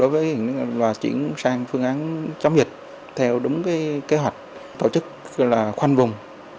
và chuyển sang phương án chống dịch theo đúng kế hoạch tổ chức khoanh vùng